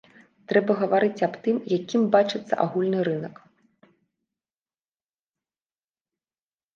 Трэба гаварыць аб тым, якім бачыцца агульны рынак.